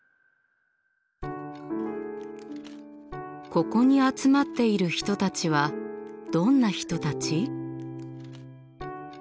ここに集まっている人たちはどんな人たち？